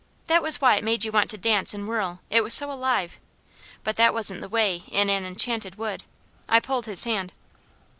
That was why it made you want to dance and whirl; it was so alive. But that wasn't the way in an Enchanted Wood. I pulled his hand.